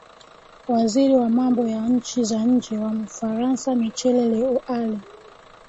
waziri wa mambo ya nchi za nje wa ufaransa michelle leoali